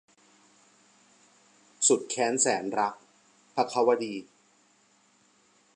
สุดแค้นแสนรัก - ภควดี